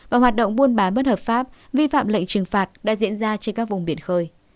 và hoạt động buôn bán bất hợp pháp vi phạm lệnh trừng phạt đã diễn ra trên các vùng biển khơi